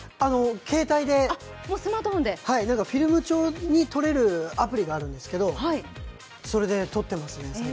携帯で、フィルム調に撮れるアプリがあるんですが最近はそれで撮ってますね。